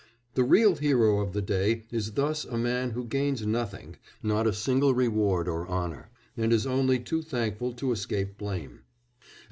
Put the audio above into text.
The real hero of the day is thus a man who gains nothing not a single reward or honour and is only too thankful to escape blame.